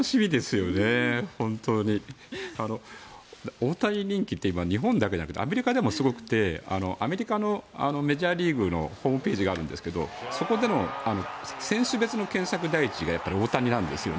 大谷人気って今、日本だけじゃなくてアメリカでもすごくてアメリカのメジャーリーグのホームページがあるんですがそこでも選手別の検索第１位が大谷なんですよね。